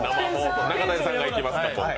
中谷さんがいきますか、今回。